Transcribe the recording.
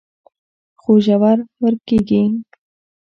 خو ژر ورکېږي